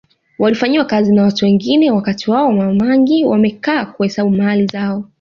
Walifanyiwa kazi na watu wengine wakati wao Ma mangi wamekaa kuhesabu mali zao